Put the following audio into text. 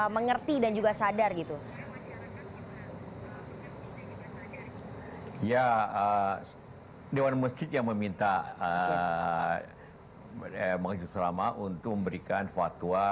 mengerti dan juga sadar gitu ya dewan mesjid yang meminta eh mohon selama untuk memberikan fatwa